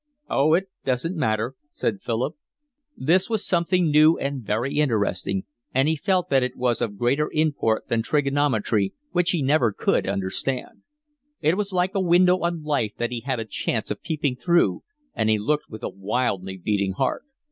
"Oh, it doesn't matter," said Philip. This was something new and very interesting, and he felt that it was of greater import than trigonometry, which he never could understand. It was like a window on life that he had a chance of peeping through, and he looked with a wildly beating heart.